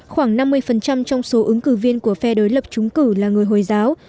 khoảng năm mươi trong số ứng cử viên của phe đối lập chúng cử là người hồi giáo